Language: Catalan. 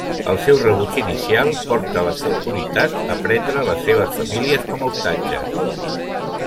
El seu rebuig inicial porta les autoritats a prendre les seves famílies com a ostatges.